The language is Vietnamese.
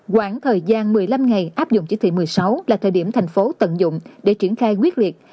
khoảng thời gian một mươi năm ngày áp dụng chỉ thị một mươi sáu là thời điểm thành phố tận dụng để triển khai quyết liệt